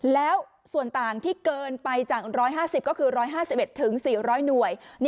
แล้วส่วนต่างที่เกินไปจาก๑๕๐ก็คือ๑๕๑๔๐๐หน่วย